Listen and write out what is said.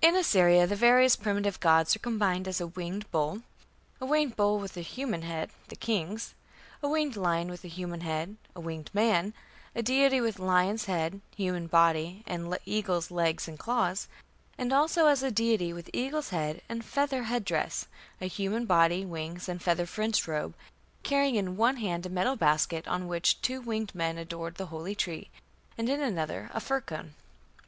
In Assyria the various primitive gods were combined as a winged bull, a winged bull with human head (the king's), a winged lion with human head, a winged man, a deity with lion's head, human body, and eagle's legs with claws, and also as a deity with eagle's head and feather headdress, a human body, wings, and feather fringed robe, carrying in one hand a metal basket on which two winged men adored the holy tree, and in the other a fir cone.